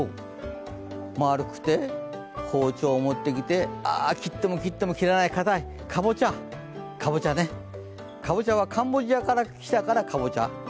まあるくて、包丁を持ってきて、切っても切っても切れない、かぼちゃね、かぼちゃはカンボジアから来たからかぼちゃ。